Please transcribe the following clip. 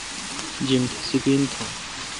جیم تہ سیپین تھان۔